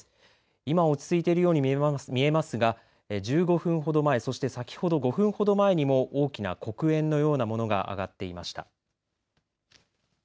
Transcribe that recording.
今、落ち着いているように見えますが１５分ほど前そして先ほど５分ほど前にも大きな黒煙のようなものが上がっていました。